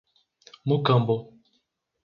Mucambo